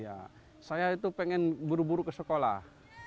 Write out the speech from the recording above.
ya saya itu pengen buru buru ke sekolah